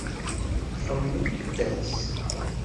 Xemmememt-as.